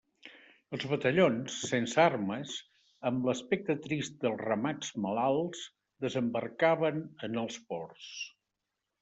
Els batallons, sense armes, amb l'aspecte trist dels ramats malalts, desembarcaven en els ports.